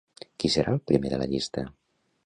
Qui serà el primer de la llista?